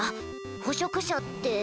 捕食者って。